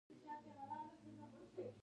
خدای دې زموږ بزګران وساتي.